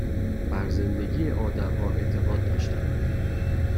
بر زندگی آدمها اعتقاد داشتند